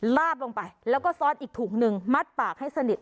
ลาบลงไปแล้วก็ซ้อนอีกถุงหนึ่งมัดปากให้สนิท